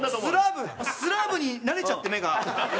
スラーブに慣れちゃって目が。